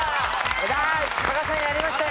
加賀さんやりましたよ！